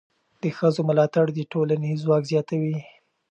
د ښځو ملاتړ د ټولنې ځواک زیاتوي.